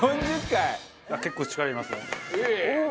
結構力いりますよ。